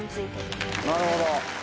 なるほど。